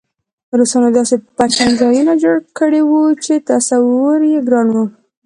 روسانو داسې پټنځایونه جوړ کړي وو چې تصور یې ګران و